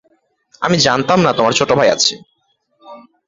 আমি জানতাম না, তোমার ছোট ভাই আছে।